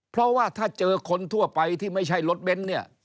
เพราะว่าถ้าเจอคนทั่วไปที่ไม่ใช่รถเบนท์เนี่ย